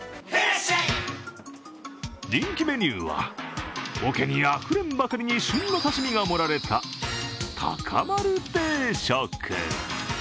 人気メニューは、おけにあふれんばかりに旬の刺身が盛られたタカマル定食。